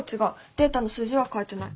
データの数字は変えてない。